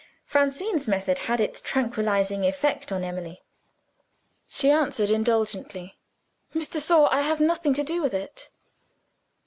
Francine's method had its tranquilizing effect on Emily. She answered indulgently, "Miss de Sor, I have nothing to do with it."